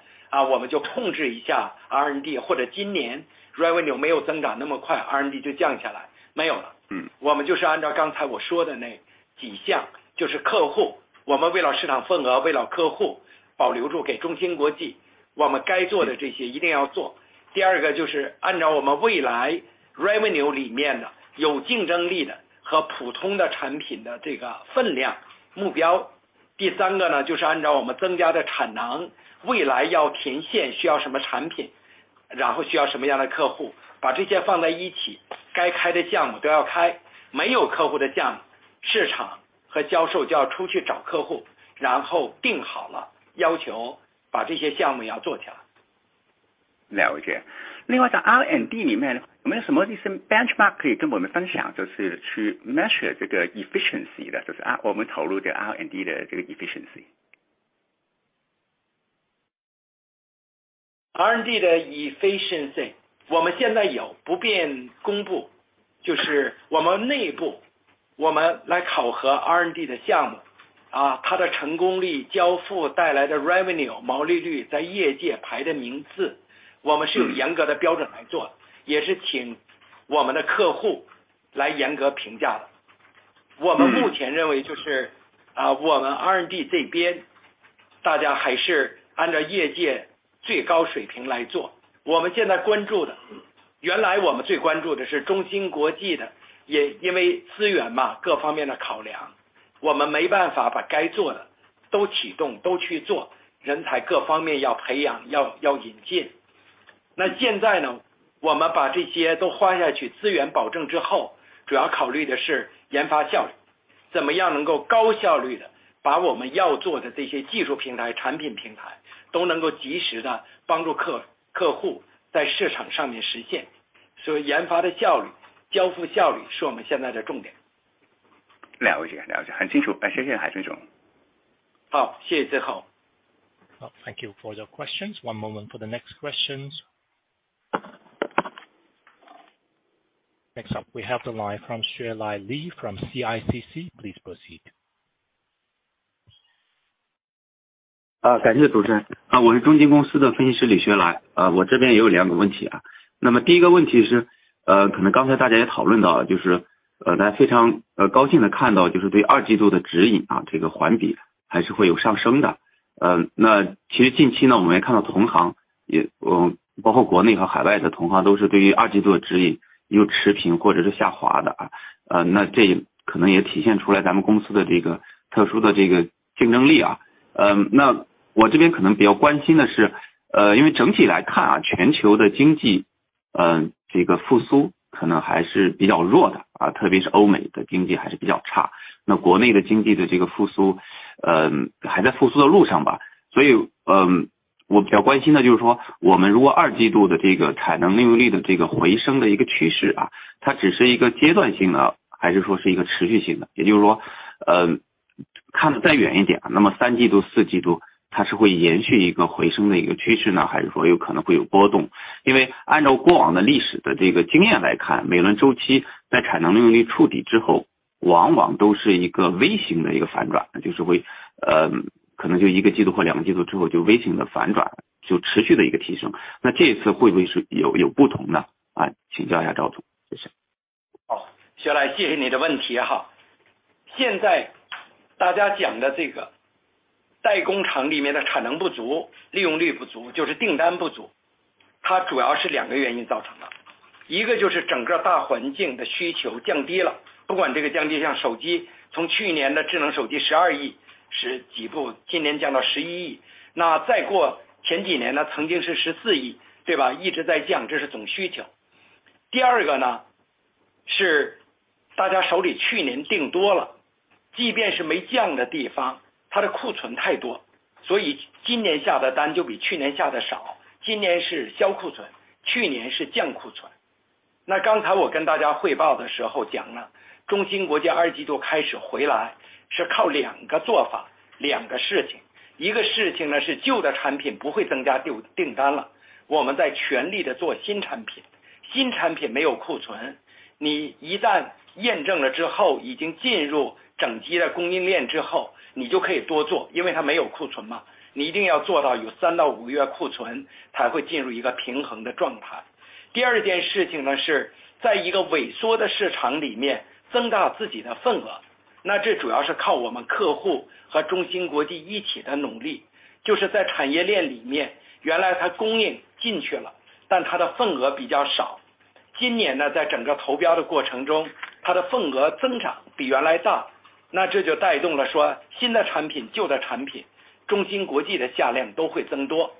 我们就控制一下 R&D, 或者今年 revenue 没有增长那么 快, R&D 就降 下来, 没有 了. 嗯。我们就是按照刚才我说的那几 项， 就是客 户， 我们为了市场份 额， 为了客户保留住给 中芯国际， 我们该做的这些一定要做。第二个就是按照我们未来 revenue 里面的有竞争力的和普通的产品的这个分量目标。第三个 呢， 就是按照我们增加的产 能， 未来要填现需要什么产 品， 然后需要什么样的客 户， 把这些放在一 起， 该开的项目都要 开， 没有客户的项 目， 市场和销售就要出去找客 户， 然后定好了要 求， 把这些项目要做起来。了解。另外在 R&D 里面有没有什么一些 benchmark 可以跟我们分 享， 就是去 measure 这个 efficiency 的， 就是我们投入的 R&D 的这个 efficiency。R&D 的 efficiency 我们现在 有, 不便公 布. 就是我们内 部, 我们来考核 R&D 的项 目, 它的成功 率, 交付带来的 revenue, 毛利 率, 在业界排的名 次, 我们是有严格的标准来 做, 也是请我们的客户来严格评价 的. 我们目前认为就 是, 我们 R&D 这边大家还是按照业界最高水平来 做. 我们现在关注 的, 原来我们最关注的是中芯国际 的, 也因为资源 嘛, 各方面的考 量, 我们没办法把该做的都启 动, 都去 做. 人才各方面要培 养, 要引 进. 那现在 呢, 我们把这些都花下 去, 资源保证之 后, 主要考虑的是研发效 率, 怎么样能够高效率地把我们要做的这些技术平 台, 产品平台都能够及时地帮助客户在市场上面实 现. 所以研发的效 率, 交付效率是我们现在的重 点. 了解了 解， 很清楚。谢 谢， 海峰总。好, 谢谢, 好. Thank you for your questions. One moment for the next questions. Next, we have the line from Xuelai Li from CICC. Please proceed. 啊， 感谢主持人。啊我是中金公司的分析师李薛来。啊我这边也有两个问题啊。那么第一个问题 是， 呃， 可能刚才大家也讨论 到， 就 是， 呃， 大家非 常， 呃， 高兴地看 到， 就是对二季度的指引 啊， 这个环比还是会有上升的。呃， 那其实近期 呢， 我们也看到同行 也， 嗯， 包括国内和海外的同行都是对于二季度的指引又持平或者是下滑的啊。呃， 那这也可能也体现出来咱们公司的这个特殊的这个竞争力啊。呃， 那我这边可能比较关心的 是， 呃， 因为整体来看 啊， 全球的经 济， 呃， 这个复苏可能还是比较弱 的， 啊特别是欧美的经济还是比较 差， 那国内的经济的这个复 苏， 呃， 还在复苏的路上吧。所 以， 呃，我比较关心的就是说我们如果二季度的这个产能利用率的这个回升的一个趋势 啊， 它只是一个阶段性 的， 还是说是一个持续性 的， 也就是 说， 呃， 看得再远一 点， 那么三季度、四季度它是会延续一个回升的一个趋势 呢， 还是说有可能会有波 动？ 因为按照过往的历史的这个经验来 看， 每轮周期在产能利用率触底之 后， 往往都是一个微型的一个反 转， 就是 会， 呃， 可能就一个季度或两个季度之后就微型地反 转， 就持续的一个提升。那这一次会不会是 有， 有不同 呢？ 啊请教一下赵总。谢谢。好， 薛 来， 谢谢你的问题哈。现在大家讲的这个在工厂里面的产能不 足， 利用率不 足， 就是订单不 足， 它主要是两个原因造成 的， 一个就是整个大环境的需求降低 了， 不管这个降低像手 机， 从去年的智能手机十二亿十几 部， 今年降到十一 亿， 那再过前几年 呢， 曾经是十四 亿， 对 吧？ 一直在 降， 这是总需求。第二个 呢， 是大家手里去年订多 了， 即便是没降的地 方， 它的库存太 多， 所以今年下的单就比去年下得少。今年是销库 存， 去年是降库存。那刚才我跟大家汇报的时候讲 了， 中芯国际二季度开始回来是靠两个做 法， 两个事 情， 一个事情 呢， 是旧的产品不会增加订-订单 了， 我们在全力地做新产 品， 新产品没有库 存， 你一旦验证了之 后， 已经进入整机的供应链之 后， 你就可以多 做， 因为它没有库存 嘛， 你一定要做到有三到五个月库存才会进入一个平衡的状态。第二件事情 呢， 是在一个萎缩的市场里面增大自己的份额，那这主要是靠我们客户和中芯国际一起的努 力， 就是在产业链里 面， 原来它供应进去 了， 但它的份额比较少。今年 呢， 在整个投标的过程 中， 它的份额增长比原来 大， 那这就带动了说新的产 品， 旧的产 品， 中芯国际的下量都会增多。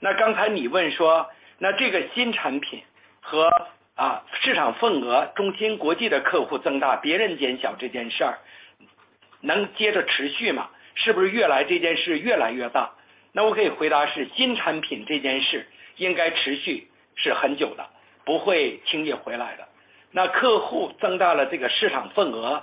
那刚才你问说那这个新产品 和， 啊， 市场份 额， 中芯国际的客户增 大， 别人减小这件事儿能接着持续 吗？ 是不是越来这件事越来越 大？ 那我可以回答是新产品这件事应该持续是很久 的， 不会轻易回来的。那客户增大了这个市场份 额，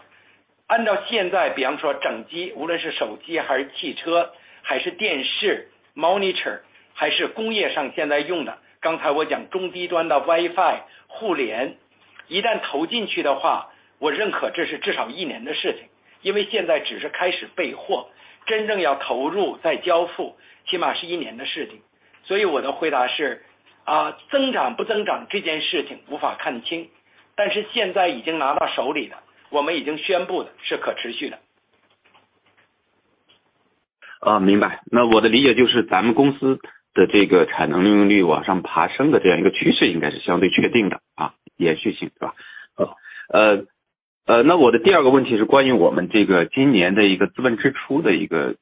按照现在比方说整 机， 无论是手机还是汽 车， 还是电视 ，monitor， 还是工业上现在用的，刚才我讲中低端的 Wi-Fi、互 联， 一旦投进去的 话， 我认可这是至少一年的事 情， 因为现在只是开始备 货， 真正要投 入， 再交 付， 起码是一年的事情。所以我的回答 是， 啊， 增长不增长这件事情无法看 清， 但是现在已经拿到手里 的， 我们已经宣布的是可持续的。明白。我的理解就是咱们公司的这个产能利用率往上爬升的这样一个趋势应该是相对确定 的， 延续性是 吧？我 的第二个问题是关于我们这个今年的一个资本支出的一个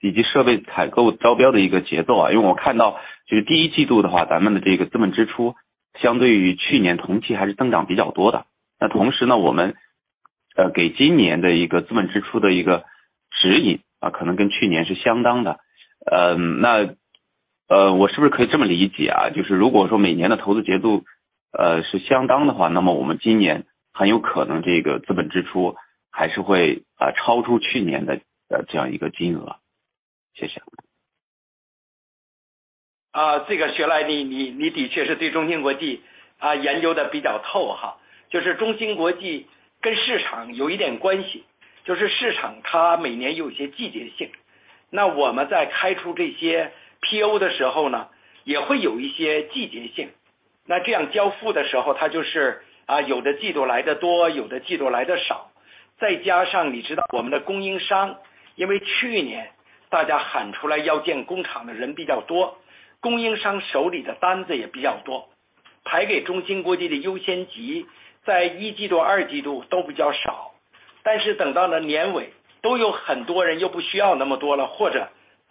以及设备采购招标的一个节 奏， 因为我看到就是第一季度的 话， 咱们的这个资本支出相对于去年同期还是增长比较多的。同时 呢， 我们给今年的一个资本支出的一个指 引， 可能跟去年是相当的。我是不是可以这么理 解， 就是如果说每年的投资节奏是相当的 话， 那么我们今年很有可能这个资本支出还是会超出去年的这样一个金额。谢谢。啊， 这个薛 来， 你-你-你的确是对中芯国 际， 啊研究得比较透哈。就是中芯国际跟市场有一点关 系， 就是市场它每年有些季节 性， 那我们在开出这些 PO 的时候 呢， 也会有一些季节 性， 那这样交付的时 候， 它就 是， 啊有的季度来得 多， 有的季度来得少。再加上你知道我们的供应 商， 因为去年大家喊出来要建工厂的人比较 多， 供应商手里的单子也比较 多， 排给中芯国际的优先级在一季度、二季度都比较 少， 但是等到了年尾都有很多人又不需要那么多 了，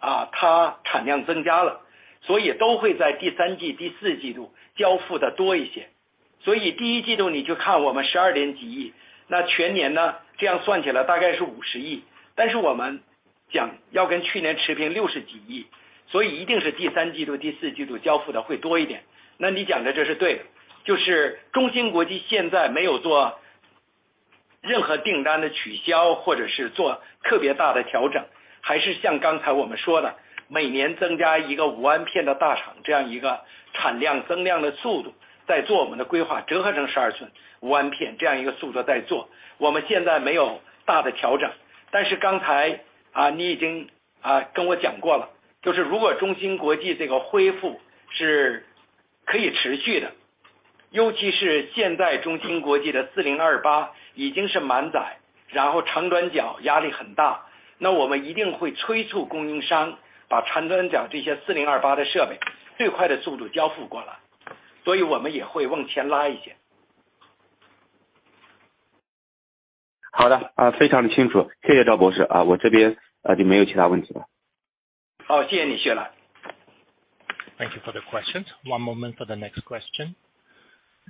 或 者， 啊他产量增加 了， 所以都会在第三季、第四季度交付得多一些。所以第一季度你就看我们十二点几 亿， 那全年 呢， 这样算起来大概是五十 亿， 但是我们讲要跟去年持平六十几 亿， 所以一定是第三季 度， 第四季度交付的会多一点。那你讲的这是对 的， 就是中芯国际现在没有做任何订单的取 消， 或者是做特别大的调整，还是像刚才我们说 的， 每年增加一个五万片的大 厂， 这样一个产量增量的速 度， 在做我们的规 划， 折合成十二寸五万片这样一个速度在 做， 我们现在没有大的调整。但是刚才啊你已经啊跟我讲过 了， 就是如果中芯国际这个恢复是可以持续 的， 尤其是现在中芯国际的四零二八已经是满 载， 然后长短脚压力很大，那我们一定会催促供应商把长短脚这些四零二八的设备最快的速度交付过 来， 所以我们也会往前拉一些。好 的， 非常的清楚。谢谢赵博 士， 我这边就没有其他问题了。好， 谢谢你谢了。Thank you for the question. One moment for the next question.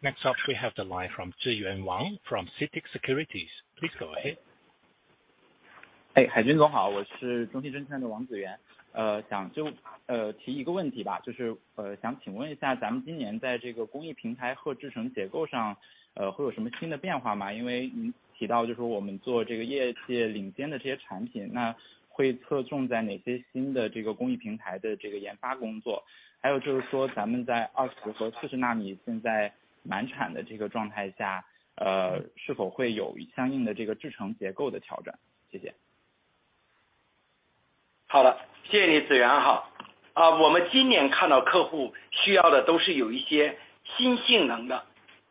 We have the line from 志远王 from CITIC Securities. Please go ahead. 海江总 好， 我是中信证券的王志 远， 想就提一个问题 吧， 就是想请问一 下， 咱们今年在这个工艺平台和制程结构上会有什么新的变化 吗？ 因为您提到就是我们做这个业界领先的这些产 品， 那会侧重在哪些新的这个工艺平台的这个研发工 作？ 还有就是说咱们在二十和四十纳米现在满产的这个状态 下， 呃， 是否会有相应的这个制程结构的调 整？ 谢谢。好 了， 谢谢 你， 志远好。我们今年看到客户需要的都是有一些新性能 的，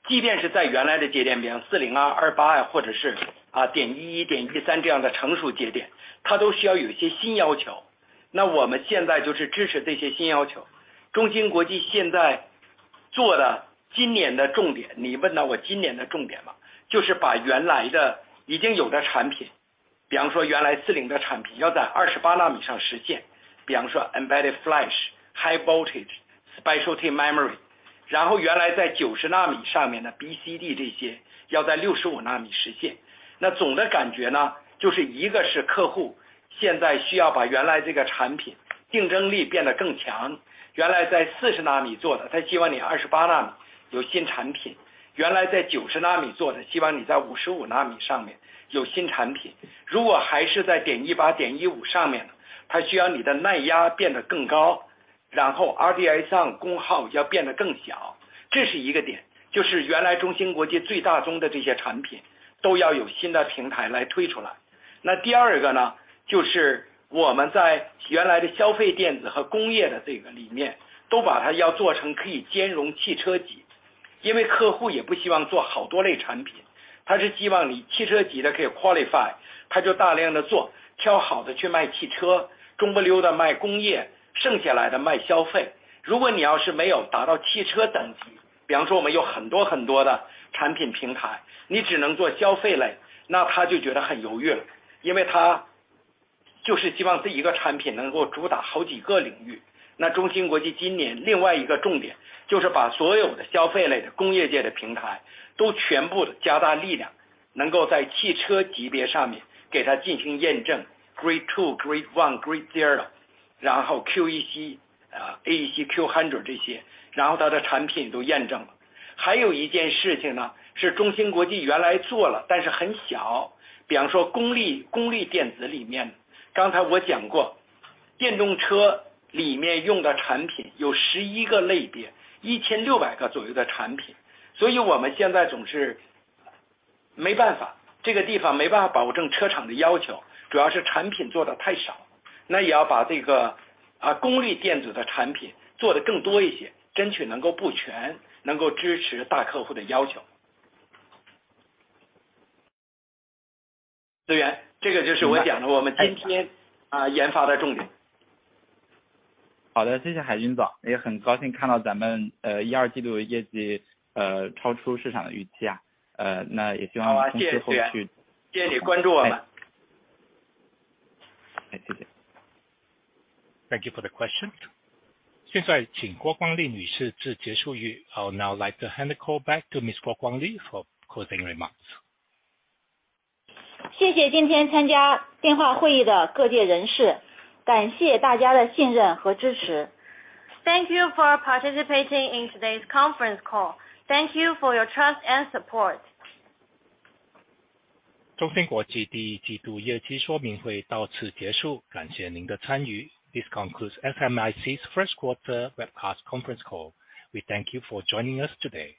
即便是在原来的节点 里， 四零二、二八或者是啊点一一点一三这样的成熟节 点， 它都需要有一些新要求。那我们现在就是支持这些新要求。中芯国际现在做的今年的重 点， 你问到我今年的重点 嘛， 就是把原来的已经有的产品，比方说原来四零的产品要在二十八纳米上实 现， 比方说 Embedded Flash, High voltage, Specialty memory， 然后原来在九十纳米上面的 BCD， 这些要在六十五纳米实现。那总的感觉 呢， 就是一个是客户现在需要把原来这个产品竞争力变得更 强， 原来在四十纳米做 的， 他希望你二十八纳米有新产 品， 原来在九十纳米做 的， 希望你在五十五纳米上面有新产 品. 如果还是在点一把点一五上 面， 他需要你的耐压变得更 高， 然后 RDSon 工号要变得更 小， 这是一个 点， 就是原来中芯国际最大宗的这些产品都要有新的平台来推出来。那第二个 呢， 就是我们在原来的消费电子和工业的这个里 面， 都把它要做成可以兼容汽车 级， 因为客户也不希望做好多类产品，他是希望你汽车级的可以 qualify， 他就大量地 做， 挑好的去卖汽 车， 中不溜的卖工 业， 剩下来的卖消费。如果你要是没有达到汽车等 级， 比方说我们有很多很多的产品平 台， 你只能做消费 类， 那他就觉得很犹豫 了， 因为他就是希望这一个产品能够主打好几个领域。那中芯国际今年另外一个重 点， 就是把所有的消费类的工业界的平台都全部地加大力 量， 能够在汽车级别上面给它进行验证。Grade two, grade one, grade zero， 然后 AEC，AEC Q100 这 些， 然后它的产品都验证了。还有一件事情 呢， 是中芯国际原来做 了， 但是很 小， 比方说功 率， 功率电子里 面， 刚才我讲 过， 电动车里面用的产品有十一个类 别， 一千六百个左右的产 品. 所以我们现在总是没办 法， 这个地方没办法保证车厂的要 求， 主要是产品做得太 小， 那也要把这个啊功率电子的产品做得更多一 些， 争取能够布 全， 能够支持大客户的要求。志 远， 这个就是我讲的我们今年研发的重点。好 的， 谢谢海江总。也很高兴看到咱们一二季度的业绩 呃， 超出市场的预期 啊， 呃， 那也希望-好 啊， 谢谢志远。后 续. 谢谢你关注我们。谢 谢. Thank you for the question. 现在请郭冠丽女士致结束 语. I would now like to hand the call back to Ms. Guo Guangli for closing remarks. 谢谢今天参加电话会议的各界人士，感谢大家的信任和支持。Thank you for participating in today's conference call. Thank you for your trust and support. 中芯国际第一季度业绩说明会到此结 束， 感谢您的参与。This concludes SMIC's first quarter webcast conference call. We thank you for joining us today.